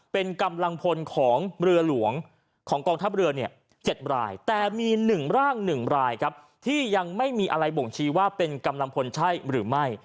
เป็นกำลังพลของเรือหลวงของกองทัพเรือเนี่ย๗รายแต่มี๑ร่าง๑รายครับที่ยังไม่มีอะไรบ่งชี้ว่าเป็นกำลังพลใช่หรือไม่